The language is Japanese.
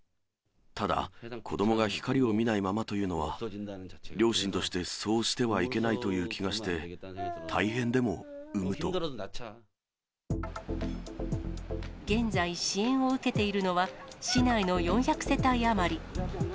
ただ、子どもが光を見ないままというのは、両親としてそうしてはいけないという気がして、現在、支援を受けているのは市内の４００世帯余り。